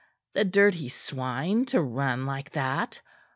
The dirty swine to run like that!